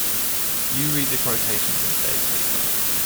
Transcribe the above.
You read the quotations in today's paper.